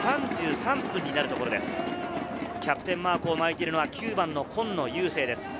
キャプテンマークを巻いているのは９番・今野友聖です。